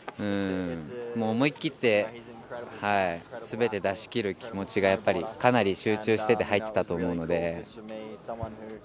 思い切ってすべて出し切る気持ちがやっぱりかなり集中してて入っていたと思うので。